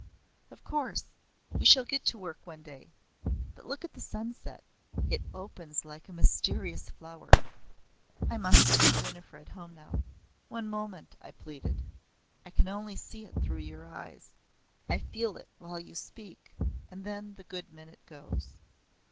"Of course. We shall get to work one day. But look at the sunset. It opens like a mysterious flower. I must take Winifred home now." "One moment," I pleaded; "I can only see it through your eyes. I feel it while you speak, and then the good minute goes."